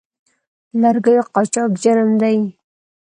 د لرګیو قاچاق جرم دی